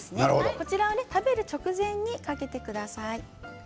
こちらは食べる直前にかけてください。